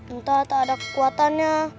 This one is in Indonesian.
entah tak ada kekuatannya